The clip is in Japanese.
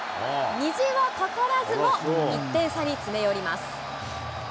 虹はかからずも１点差に詰め寄ります。